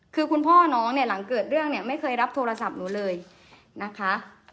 คือคุณพ่อน้องเนี่ยหลังเกิดเรื่องเนี่ยไม่เคยรับโทรศัพท์หนูเลยนะคะ